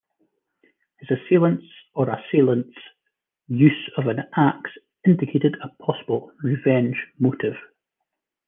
His assailant's or assailants' use of an axe indicated a possible revenge motive.